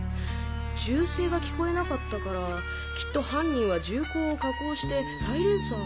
銃声が聞こえなかったからきっと犯人は銃口を加工してサイレンサーを。